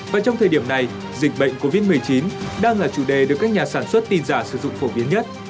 và trong thời điểm này dịch bệnh covid một mươi chín đang là chủ đề được các nhà sản xuất tin giả sử dụng phổ biến nhất